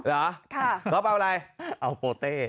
หรอครอบเอาอะไรเอาโปเต้